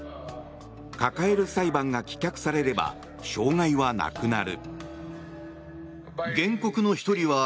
抱える裁判が棄却されれば障害はなくなる。